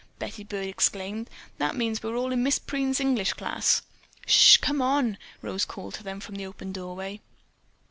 Betty Byrd exclaimed. "That means we are all in Miss Preen's English class." "Shh! Come on!" Rose called to them from the open doorway.